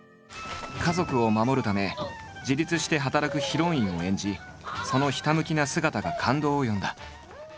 家族を守るため自立して働くヒロインを演じそのひたむきな姿が感動を呼んだ。